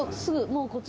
すぐ。